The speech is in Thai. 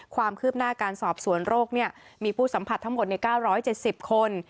ความคืบหน้าการสอบสวนโรคมีผู้สัมผัสทั้งหมดใน๙๗๐คน